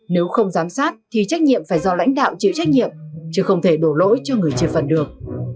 nếu không giám sát thì trách nhiệm phải do lãnh đạo chịu trách nhiệm chứ không thể đổ lỗi cho người chia phần được